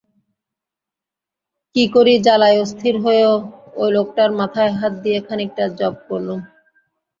কি করি, জ্বালায় অস্থির হয়েও ঐ লোকটার মাথায় হাত দিয়ে খানিকটা জপ করলুম।